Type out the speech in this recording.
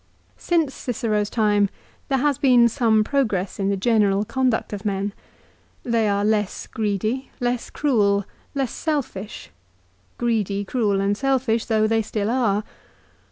Since Cicero's time there has been some progress in the general conduct of men. They are less greedy, less cruel, less selfish, greedy, cruel and selfish though they still are.